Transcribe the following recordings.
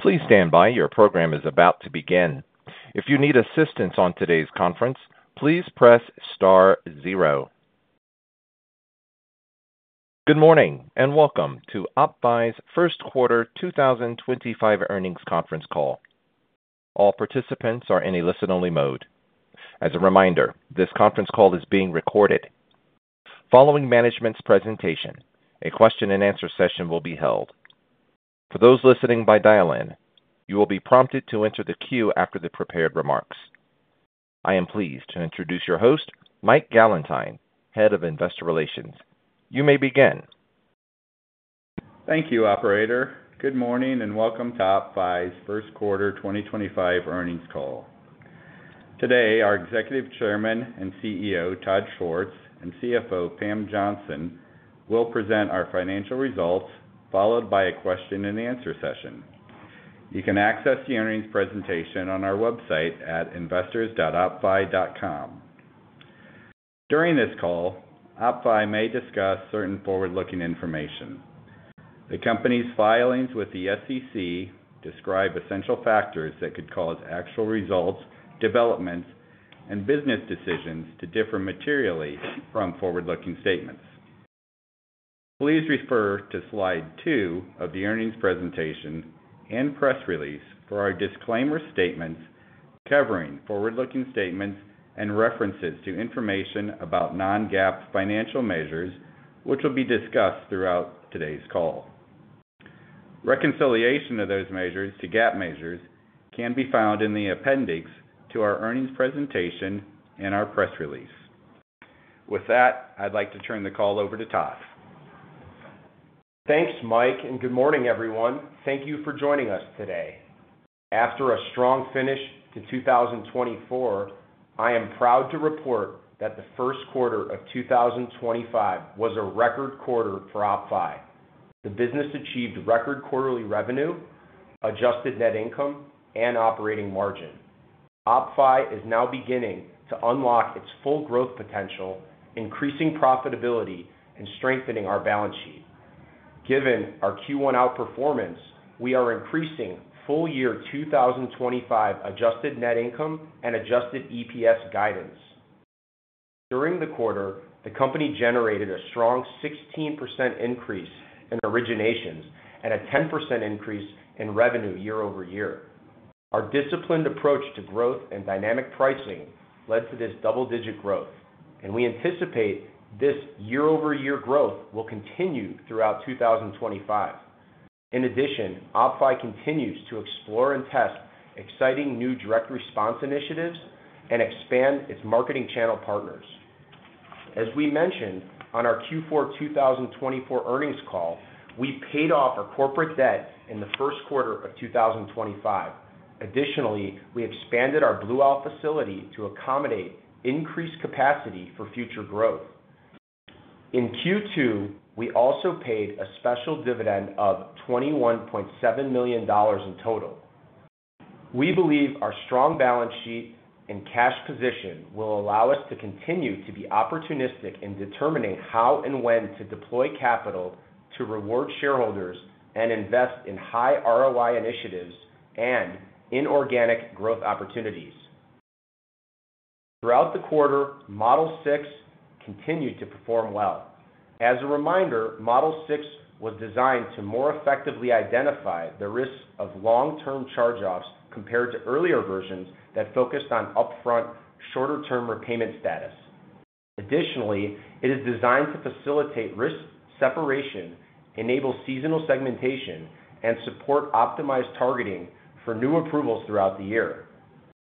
Please stand by, your program is about to begin. If you need assistance on today's conference, please press star zero. Good morning and welcome to OppFi's first quarter 2025 earnings conference call. All participants are in a listen-only mode. As a reminder, this conference call is being recorded. Following management's presentation, a question-and-answer session will be held. For those listening by dial-in, you will be prompted to enter the queue after the prepared remarks. I am pleased to introduce your host, Mike Gallentine, Head of Investor Relations. You may begin. Thank you, operator. Good morning and welcome to OppFi's first quarter 2025 earnings call. Today, our Executive Chairman and CEO, Todd Schwartz, and CFO, Pam Johnson, will present our financial results, followed by a question-and-answer session. You can access the earnings presentation on our website at investors.oppfi.com. During this call, OppFi may discuss certain forward-looking information. The company's filings with the SEC describe essential factors that could cause actual results, developments, and business decisions to differ materially from forward-looking statements. Please refer to slide two of the earnings presentation and press release for our disclaimer statements covering forward-looking statements and references to information about non-GAAP financial measures, which will be discussed throughout today's call. Reconciliation of those measures to GAAP measures can be found in the appendix to our earnings presentation and our press release. With that, I'd like to turn the call over to Todd. Thanks, Mike, and good morning, everyone. Thank you for joining us today. After a strong finish to 2024, I am proud to report that the first quarter of 2025 was a record quarter for OppFi. The business achieved record quarterly revenue, adjusted net income, and operating margin. OppFi is now beginning to unlock its full growth potential, increasing profitability and strengthening our balance sheet. Given our Q1 outperformance, we are increasing full-year 2025 adjusted net income and adjusted EPS guidance. During the quarter, the company generated a strong 16% increase in originations and a 10% increase in revenue year-over-year. Our disciplined approach to growth and dynamic pricing led to this double-digit growth, and we anticipate this year-over-year growth will continue throughout 2025. In addition, OppFi continues to explore and test exciting new direct response initiatives and expand its marketing channel partners. As we mentioned on our Q4 2024 earnings call, we paid off our corporate debt in the first quarter of 2025. Additionally, we expanded our blue-out facility to accommodate increased capacity for future growth. In Q2, we also paid a special dividend of $21.7 million in total. We believe our strong balance sheet and cash position will allow us to continue to be opportunistic in determining how and when to deploy capital to reward shareholders and invest in high ROI initiatives and inorganic growth opportunities. Throughout the quarter, Model 6 continued to perform well. As a reminder, Model 6 was designed to more effectively identify the risks of long-term charge-offs compared to earlier versions that focused on upfront shorter-term repayment status. Additionally, it is designed to facilitate risk separation, enable seasonal segmentation, and support optimized targeting for new approvals throughout the year.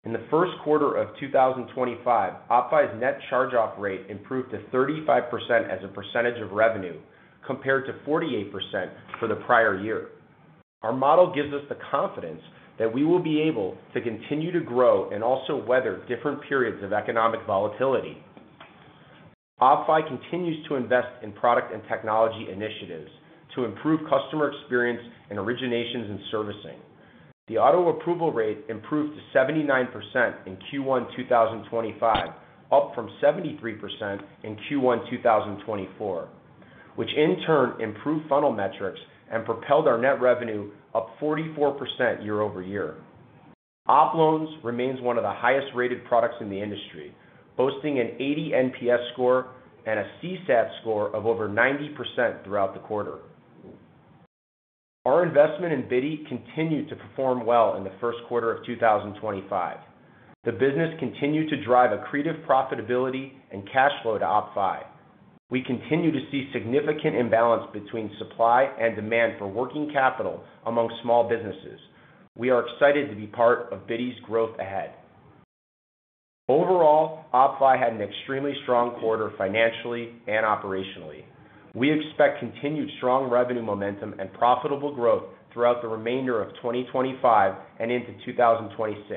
In the first quarter of 2025, OppFi's net charge-off rate improved to 35% as a percentage of revenue compared to 48% for the prior year. Our model gives us the confidence that we will be able to continue to grow and also weather different periods of economic volatility. OppFi continues to invest in product and technology initiatives to improve customer experience and originations and servicing. The auto approval rate improved to 79% in Q1 2025, up from 73% in Q1 2024, which in turn improved funnel metrics and propelled our net revenue up 44% year-over-year. OpLoans remains one of the highest-rated products in the industry, boasting an 80 NPS score and a CSAT score of over 90% throughout the quarter. Our investment in Bitty continued to perform well in the first quarter of 2025. The business continued to drive accretive profitability and cash flow to OppFi. We continue to see significant imbalance between supply and demand for working capital among small businesses. We are excited to be part of Bitty's growth ahead. Overall, OppFi had an extremely strong quarter financially and operationally. We expect continued strong revenue momentum and profitable growth throughout the remainder of 2025 and into 2026.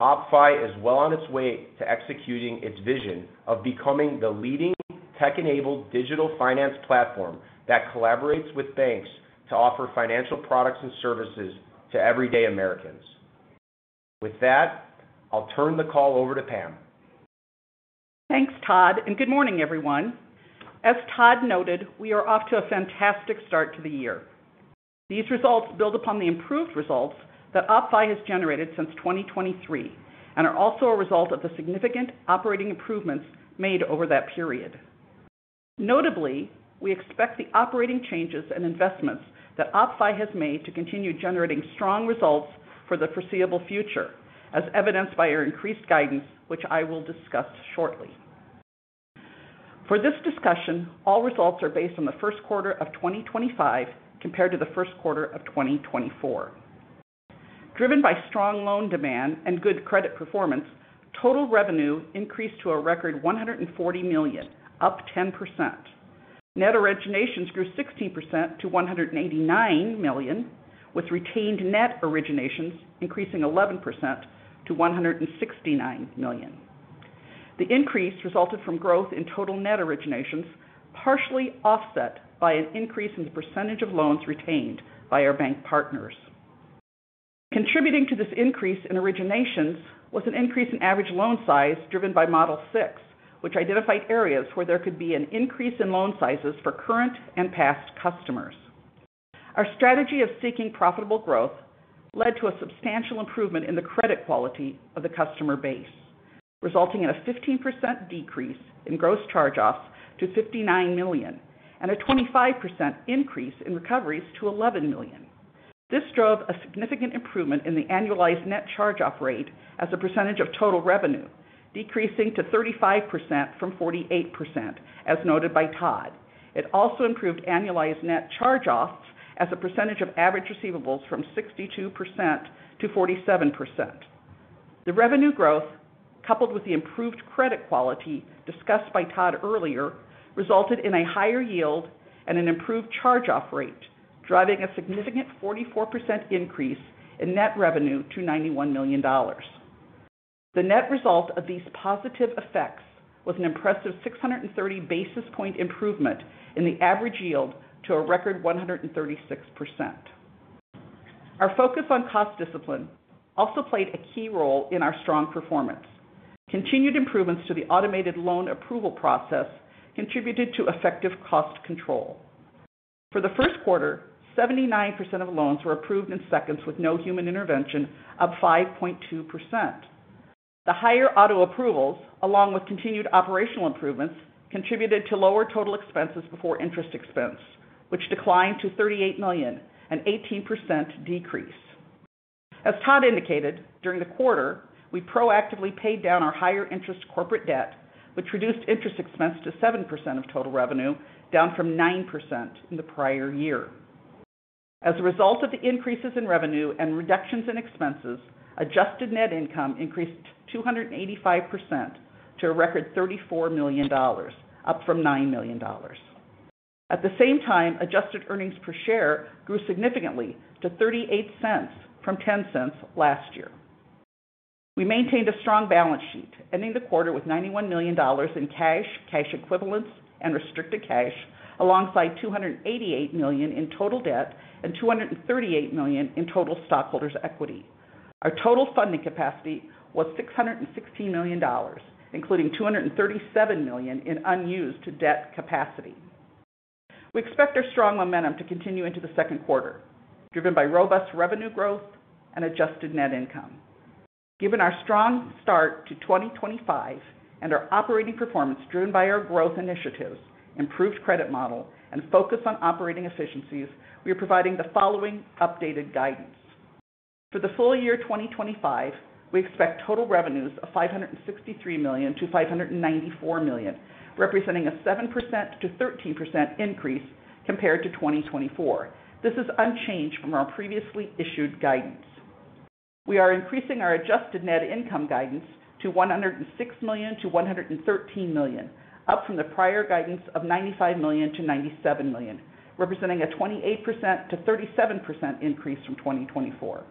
OppFi is well on its way to executing its vision of becoming the leading tech-enabled digital finance platform that collaborates with banks to offer financial products and services to everyday Americans. With that, I'll turn the call over to Pam. Thanks, Todd, and good morning, everyone. As Todd noted, we are off to a fantastic start to the year. These results build upon the improved results that OppFi has generated since 2023 and are also a result of the significant operating improvements made over that period. Notably, we expect the operating changes and investments that OppFi has made to continue generating strong results for the foreseeable future, as evidenced by our increased guidance, which I will discuss shortly. For this discussion, all results are based on the first quarter of 2025 compared to the first quarter of 2024. Driven by strong loan demand and good credit performance, total revenue increased to a record $140 million, up 10%. Net originations grew 16% to $189 million, with retained net originations increasing 11% to $169 million. The increase resulted from growth in total net originations, partially offset by an increase in the percentage of loans retained by our bank partners. Contributing to this increase in originations was an increase in average loan size driven by Model 6, which identified areas where there could be an increase in loan sizes for current and past customers. Our strategy of seeking profitable growth led to a substantial improvement in the credit quality of the customer base, resulting in a 15% decrease in gross charge-offs to $59 million and a 25% increase in recoveries to $11 million. This drove a significant improvement in the annualized net charge-off rate as a percentage of total revenue, decreasing to 35% from 48%, as noted by Todd. It also improved annualized net charge-offs as a percentage of average receivables from 62% to 47%. The revenue growth, coupled with the improved credit quality discussed by Todd earlier, resulted in a higher yield and an improved charge-off rate, driving a significant 44% increase in net revenue to $91 million. The net result of these positive effects was an impressive 630 basis point improvement in the average yield to a record 136%. Our focus on cost discipline also played a key role in our strong performance. Continued improvements to the automated loan approval process contributed to effective cost control. For the first quarter, 79% of loans were approved in seconds with no human intervention, up 5.2%. The higher auto approvals, along with continued operational improvements, contributed to lower total expenses before interest expense, which declined to $38 million, an 18% decrease. As Todd indicated, during the quarter, we proactively paid down our higher interest corporate debt, which reduced interest expense to 7% of total revenue, down from 9% in the prior year. As a result of the increases in revenue and reductions in expenses, adjusted net income increased 285% to a record $34 million, up from $9 million. At the same time, adjusted earnings per share grew significantly to $0.38 from $0.10 last year. We maintained a strong balance sheet, ending the quarter with $91 million in cash, cash equivalents, and restricted cash, alongside $288 million in total debt and $238 million in total stockholders' equity. Our total funding capacity was $616 million, including $237 million in unused debt capacity. We expect our strong momentum to continue into the second quarter, driven by robust revenue growth and adjusted net income. Given our strong start to 2025 and our operating performance driven by our growth initiatives, improved credit model, and focus on operating efficiencies, we are providing the following updated guidance. For the full year 2025, we expect total revenues of $563 million-$594 million, representing a 7%-13% increase compared to 2024. This is unchanged from our previously issued guidance. We are increasing our adjusted net income guidance to $106 million-$113 million, up from the prior guidance of $95 million-$97 million, representing a 28%-37% increase from 2024.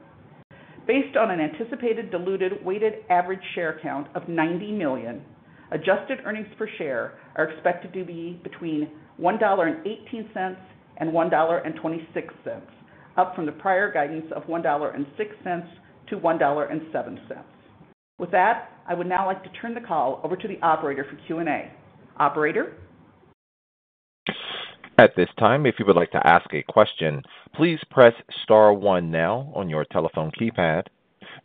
Based on an anticipated diluted weighted average share count of 90 million, adjusted earnings per share are expected to be between $1.18 and $1.26, up from the prior guidance of $1.06-$1.07. With that, I would now like to turn the call over to the operator for Q&A. Operator. At this time, if you would like to ask a question, please press star one now on your telephone keypad.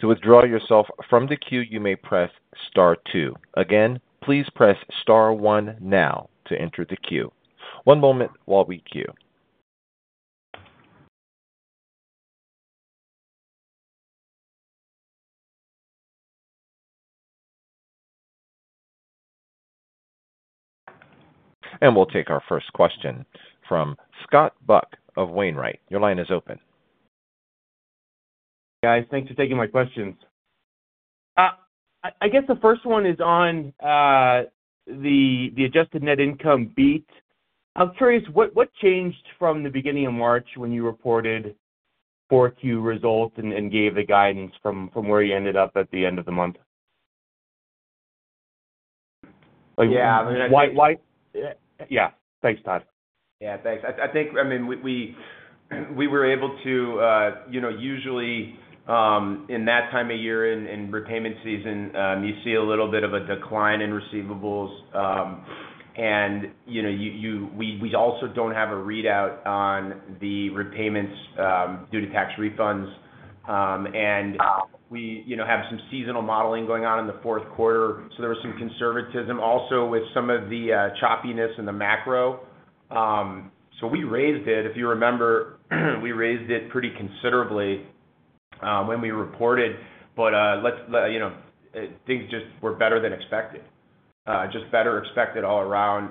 To withdraw yourself from the queue, you may press star two. Again, please press star one now to enter the queue. One moment while we queue. We will take our first question from Scott Buck of Wainwright. Your line is open. Guys, thanks for taking my questions. I guess the first one is on the adjusted net income beat. I was curious, what changed from the beginning of March when you reported fourth quarter results and gave the guidance from where you ended up at the end of the month? Yeah. Yeah. Thanks, Todd. Yeah. Thanks. I think, I mean, we were able to usually in that time of year in repayment season, you see a little bit of a decline in receivables. We also do not have a readout on the repayments due to tax refunds. We have some seasonal modeling going on in the fourth quarter. There was some conservatism also with some of the choppiness in the macro. We raised it, if you remember, we raised it pretty considerably when we reported. Things just were better than expected, just better expected all around.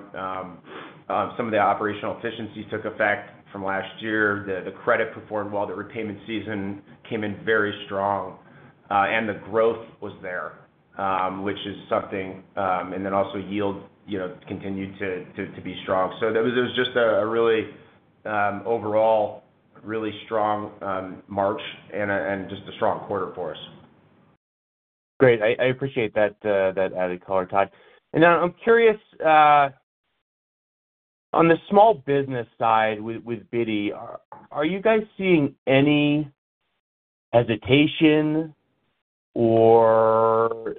Some of the operational efficiencies took effect from last year. The credit performed well. The repayment season came in very strong. The growth was there, which is something. Yield continued to be strong. It was just a really overall, really strong March and just a strong quarter for us. Great. I appreciate that added color, Todd. I'm curious, on the small business side with Bitty, are you guys seeing any hesitation or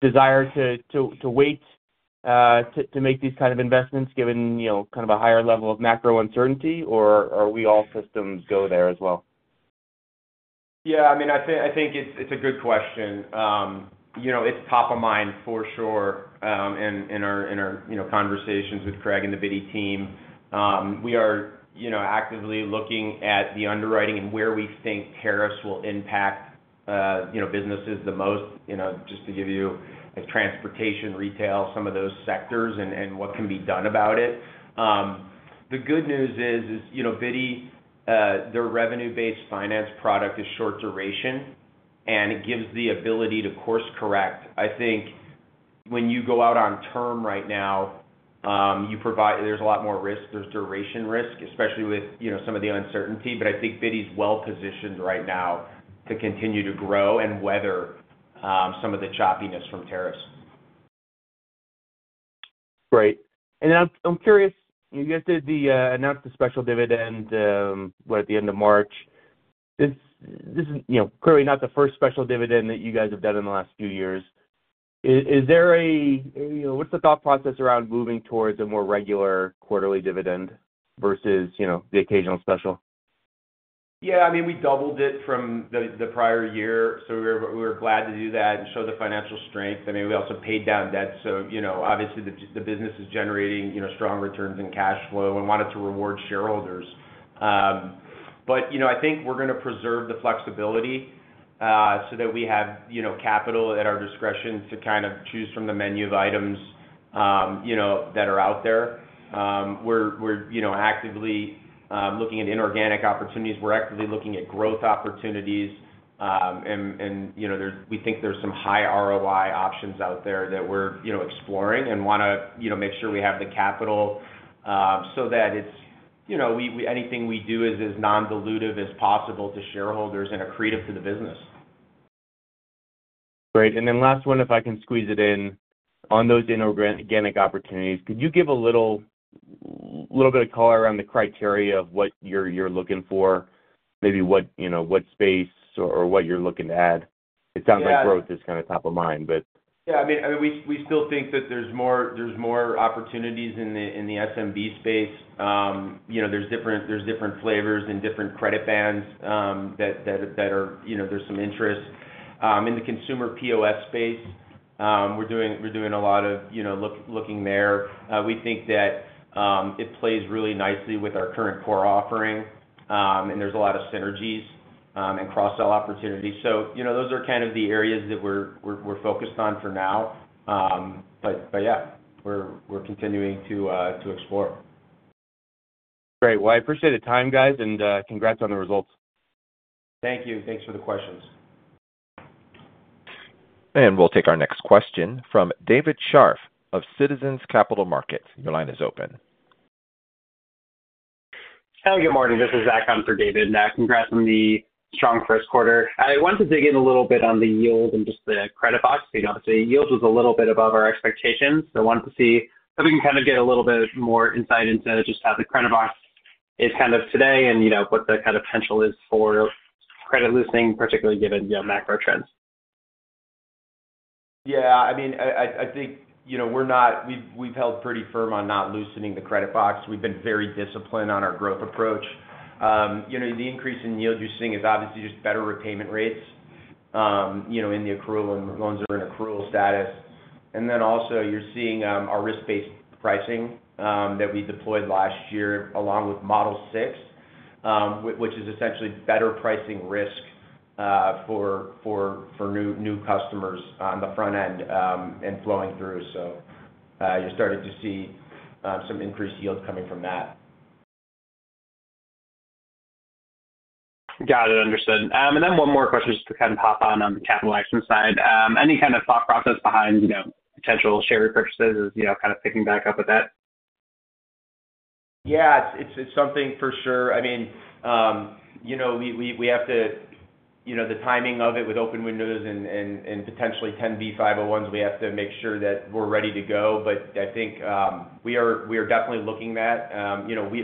desire to wait to make these kinds of investments given kind of a higher level of macro uncertainty, or are we all systems go there as well? Yeah. I mean, I think it's a good question. It's top of mind for sure in our conversations with Craig and the Bitty team. We are actively looking at the underwriting and where we think tariffs will impact businesses the most, just to give you transportation, retail, some of those sectors, and what can be done about it. The good news is Bitty, their revenue-based finance product is short duration, and it gives the ability to course correct. I think when you go out on term right now, there's a lot more risk. There's duration risk, especially with some of the uncertainty. I think Bitty's well-positioned right now to continue to grow and weather some of the choppiness from tariffs. Great. I'm curious, you guys did announce the special dividend at the end of March. This is clearly not the first special dividend that you guys have done in the last few years. Is there a—what's the thought process around moving towards a more regular quarterly dividend versus the occasional special? Yeah. I mean, we doubled it from the prior year. We were glad to do that and show the financial strength. I mean, we also paid down debt. Obviously, the business is generating strong returns and cash flow and wanted to reward shareholders. I think we're going to preserve the flexibility so that we have capital at our discretion to kind of choose from the menu of items that are out there. We're actively looking at inorganic opportunities. We're actively looking at growth opportunities. We think there's some high ROI options out there that we're exploring and want to make sure we have the capital so that anything we do is as non-dilutive as possible to shareholders and accretive to the business. Great. Then last one, if I can squeeze it in, on those inorganic opportunities, could you give a little bit of color around the criteria of what you're looking for, maybe what space or what you're looking to add? It sounds like growth is kind of top of mind, but. Yeah. I mean, we still think that there's more opportunities in the SMB space. There's different flavors and different credit bands that are, there's some interest. In the consumer POS space, we're doing a lot of looking there. We think that it plays really nicely with our current core offering, and there's a lot of synergies and cross-sell opportunities. Those are kind of the areas that we're focused on for now. Yeah, we're continuing to explore. Great. I appreciate the time, guys, and congrats on the results. Thank you. Thanks for the questions. We will take our next question from David Scharf of Citizens Capital Markets. Your line is open. Hi, good morning. This is Zach Hampshire, David. Congrats on the strong first quarter. I wanted to dig in a little bit on the yield and just the credit box. The yield was a little bit above our expectations. I wanted to see if we can kind of get a little bit more insight into just how the credit box is kind of today and what the kind of potential is for credit loosening, particularly given macro trends. Yeah. I mean, I think we've held pretty firm on not loosening the credit box. We've been very disciplined on our growth approach. The increase in yield you're seeing is obviously just better repayment rates in the accrual and loans that are in accrual status. You are also seeing our risk-based pricing that we deployed last year along with Model 6, which is essentially better pricing risk for new customers on the front end and flowing through. You are starting to see some increased yield coming from that. Got it. Understood. One more question just to kind of pop on on the capital action side. Any kind of thought process behind potential share repurchases is kind of picking back up with that? Yeah. It's something for sure. I mean, we have to—the timing of it with open windows and potentially 10B 501s, we have to make sure that we're ready to go. I think we are definitely looking at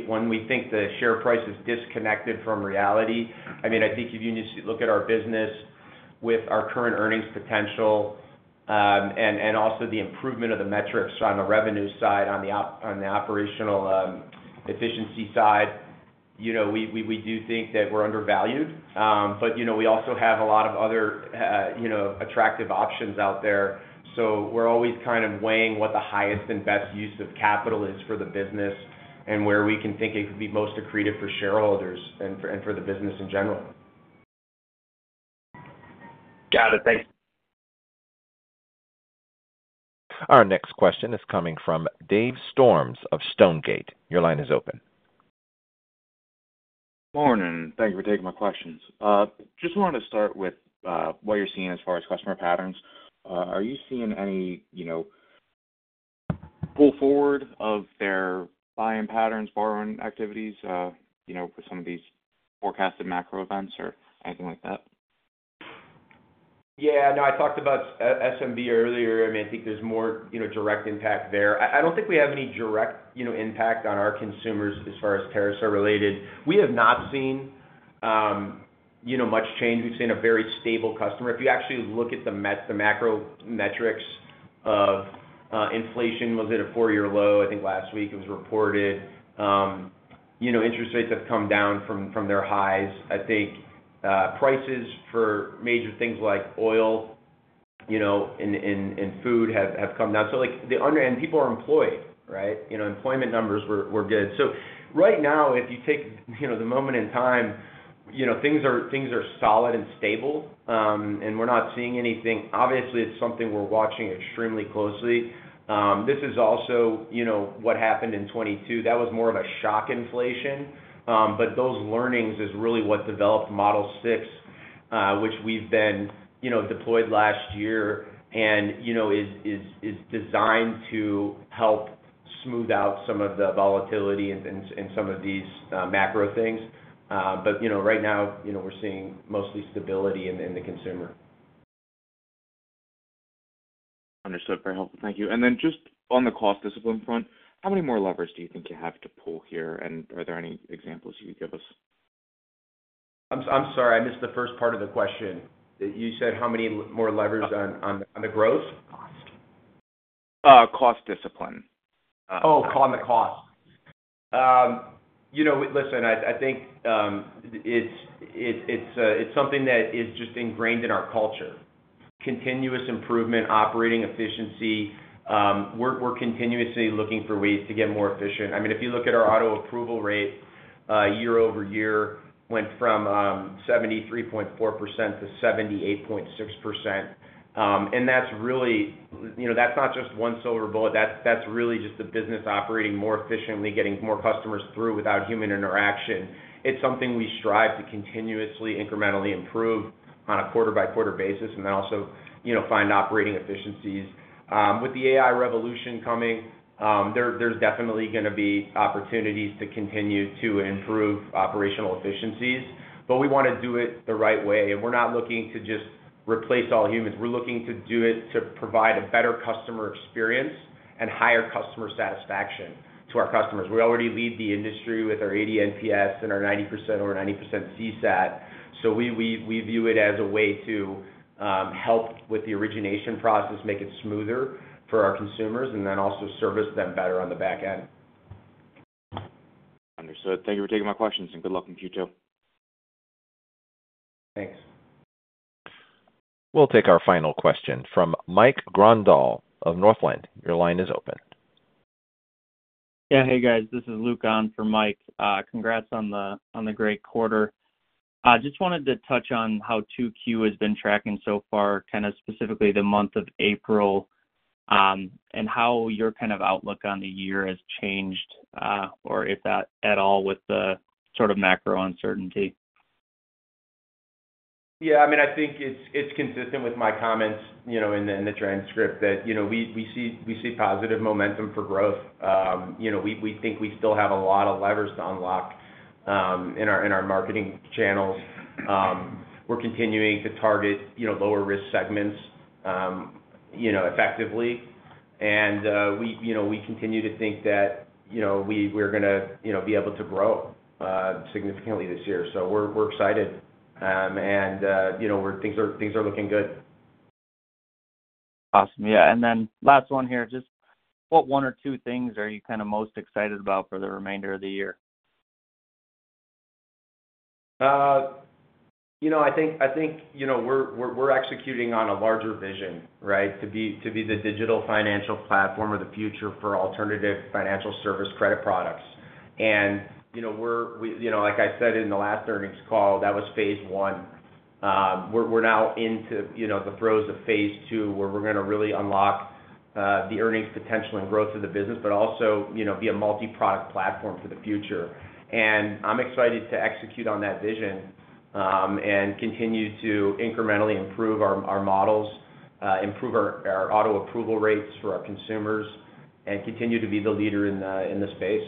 when we think the share price is disconnected from reality. I mean, I think if you just look at our business with our current earnings potential and also the improvement of the metrics on the revenue side, on the operational efficiency side, we do think that we're undervalued. We also have a lot of other attractive options out there. We are always kind of weighing what the highest and best use of capital is for the business and where we can think it could be most accretive for shareholders and for the business in general. Got it. Thanks. Our next question is coming from Dave Storms of Stonegate. Your line is open. Good morning. Thank you for taking my questions. Just wanted to start with what you're seeing as far as customer patterns. Are you seeing any pull forward of their buying patterns, borrowing activities for some of these forecasted macro events or anything like that? Yeah. No, I talked about SMB earlier. I mean, I think there is more direct impact there. I do not think we have any direct impact on our consumers as far as tariffs are related. We have not seen much change. We have seen a very stable customer. If you actually look at the macro metrics of inflation, was it a four-year low? I think last week it was reported. Interest rates have come down from their highs. I think prices for major things like oil and food have come down. People are employed, right? Employment numbers were good. Right now, if you take the moment in time, things are solid and stable, and we are not seeing anything. Obviously, it is something we are watching extremely closely. This is also what happened in 2022. That was more of a shock inflation. Those learnings is really what developed Model 6, which we've then deployed last year and is designed to help smooth out some of the volatility and some of these macro things. Right now, we're seeing mostly stability in the consumer. Understood. Very helpful. Thank you. Just on the cost discipline front, how many more levers do you think you have to pull here? Are there any examples you could give us? I'm sorry. I missed the first part of the question. You said how many more levers on the growth? Cost. Cost discipline. Oh, on the cost. Listen, I think it's something that is just ingrained in our culture. Continuous improvement, operating efficiency. We're continuously looking for ways to get more efficient. I mean, if you look at our auto approval rate year-over-year, went from 73.4% to 78.6%. And that's really, that's not just one silver bullet. That's really just the business operating more efficiently, getting more customers through without human interaction. It's something we strive to continuously incrementally improve on a quarter-by-quarter basis and then also find operating efficiencies. With the AI revolution coming, there's definitely going to be opportunities to continue to improve operational efficiencies. We want to do it the right way. We're not looking to just replace all humans. We're looking to do it to provide a better customer experience and higher customer satisfaction to our customers. We already lead the industry with our 80 NPS and our 90% or 90% CSAT. We view it as a way to help with the origination process, make it smoother for our consumers, and then also service them better on the back end. Understood. Thank you for taking my questions. Good luck in Q2. Thanks. We'll take our final question from Mike Grondahl of Northland. Your line is open. Yeah. Hey, guys. This is Luke on for Mike. Congrats on the great quarter. Just wanted to touch on how 2Q has been tracking so far, kind of specifically the month of April, and how your kind of outlook on the year has changed or if at all with the sort of macro uncertainty. Yeah. I mean, I think it's consistent with my comments in the transcript that we see positive momentum for growth. We think we still have a lot of levers to unlock in our marketing channels. We're continuing to target lower-risk segments effectively. We continue to think that we're going to be able to grow significantly this year. We're excited. Things are looking good. Awesome. Yeah. And then last one here, just what one or two things are you kind of most excited about for the remainder of the year? I think we're executing on a larger vision, right, to be the digital financial platform or the future for alternative financial service credit products. Like I said in the last earnings call, that was phase one. We're now into the throes of phase two where we're going to really unlock the earnings potential and growth of the business, but also be a multi-product platform for the future. I'm excited to execute on that vision and continue to incrementally improve our models, improve our auto approval rates for our consumers, and continue to be the leader in the space.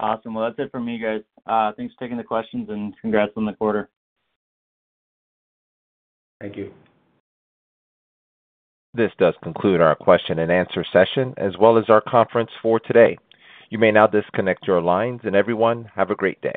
Awesome. That's it for me, guys. Thanks for taking the questions and congrats on the quarter. Thank you. This does conclude our question and answer session as well as our conference for today. You may now disconnect your lines. Everyone, have a great day.